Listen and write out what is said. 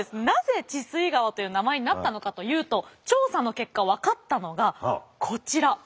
なぜ血吸川という名前になったのかというと調査の結果分かったのがこちら。